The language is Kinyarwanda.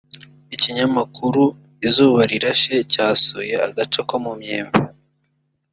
Ikinyamakuru Izuba Rirashe cyasuye agace ko mu Myembe